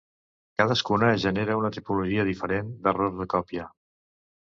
Cadascuna genera una tipologia diferent d'errors de còpia.